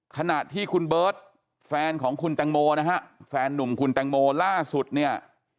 ขณะที่คุณเบิร์ตแฟนของคุณแตงโมนะฮะแฟนนุ่มคุณแตงโมล่าสุดเนี่ย